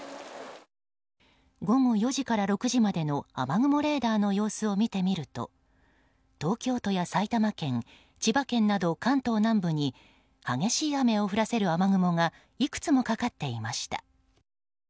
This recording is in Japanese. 午後４時から６時までの雨雲レーダーの様子を見てみると東京都や埼玉県、千葉県など関東南部に激しい雨を降らせる雨雲がいくつもかかっていました。